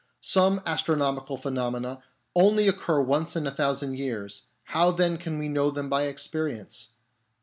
Some astronomical pheno mena only occur once in a thousand years ; how then can we know them by experience